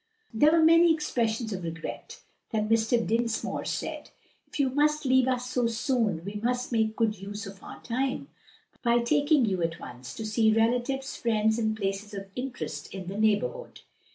There were many expressions of regret. Then Mr. Dinsmore said, "If you must leave us so soon we must make good use of our time, by taking you at once to see relatives, friends, and places of interest in the neighborhood.